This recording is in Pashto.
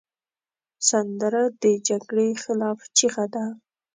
سندره د جګړې خلاف چیغه ده